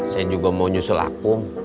saya juga mau nyusul aku